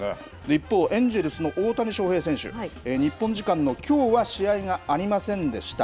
一方、エンジェルスの大谷翔平選手、日本時間のきょうは試合がありませんでした。